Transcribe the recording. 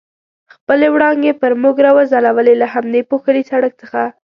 خپلې وړانګې پر موږ را وځلولې، له همدې پوښلي سړک څخه.